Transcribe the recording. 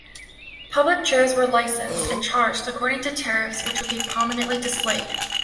Public chairs were licensed, and charged according to tariffs which would be prominently displayed.